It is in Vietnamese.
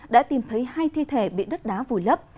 đã tìm thấy hai thi thể bị đất đá vùi lấp